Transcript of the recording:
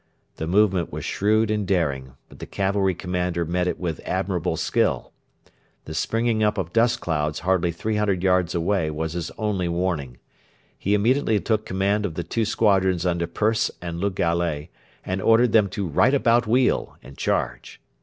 The movement was shrewd and daring, but the cavalry commander met it with admirable skill. The springing up of dust clouds hardly 300 yards away was his only warning. He immediately took command of the two squadrons under Persse and Le Gallais, and ordered them to 'right about wheel' and charge.